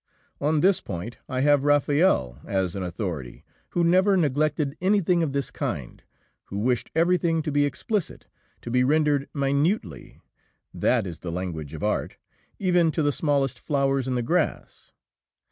On this point I have Raphael as an authority, who never neglected anything of this kind, who wished everything to be explicit, to be rendered minutely that is the language of art even to the smallest flowers in the grass.